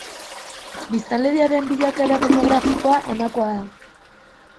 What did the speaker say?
Biztanleriaren bilakaera demografikoa honakoa da.